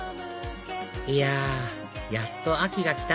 いややっと秋がきた！